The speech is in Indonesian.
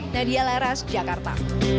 nadia laras jakarta